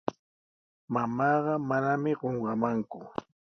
Mamaaqa manami qunqamanku.